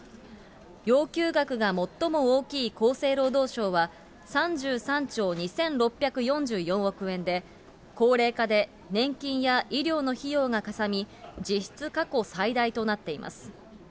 要求額が最も大きい厚生労働省は３３兆２６４４億円で、高齢化で年金や医療の費用がかさみ、実質過去最大となっています。